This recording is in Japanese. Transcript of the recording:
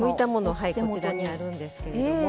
こちらにあるんですけれども。